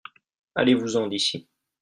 allez-vous en d'ici.